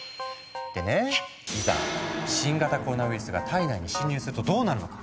でねいざ新型コロナウイルスが体内に侵入するとどうなるのか。